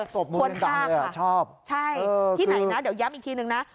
ตบมือเป็นตามเลยชอบควรทากค่ะใช่ที่ไหนนะเดี๋ยวย้ำอีกทีหนึ่งนะ